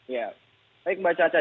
ya baik mbak caca